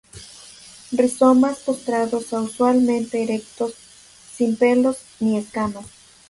Rizomas postrados a usualmente erectos, sin pelos ni escamas.